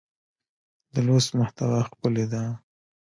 د لوست محتوا ښکلې ده.